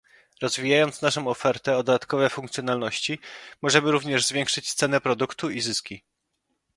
Rozwijając naszą ofertę o dodatkowe funkcjonalności, możemy również zwiększyć cenę produktu i zyski.